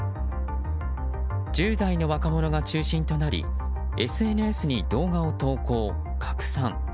１０代の若者が中心となりＳＮＳに動画を投稿・拡散。